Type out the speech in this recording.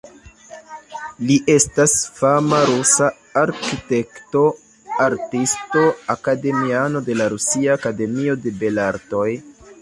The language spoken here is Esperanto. Li estas fama rusa arkitekto, artisto, akademiano de la Rusia Akademio de Belartoj.